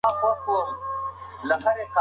ښوونکي د ټولنې معماران بلل کیږي.